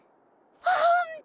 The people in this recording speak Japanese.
ホント！？